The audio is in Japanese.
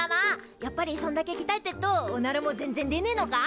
やっぱりそんだけきたえてっとおならも全然出ねえのか？